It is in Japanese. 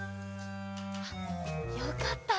あっよかった。